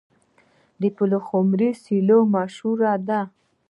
د پلخمري سیلو مشهوره ده.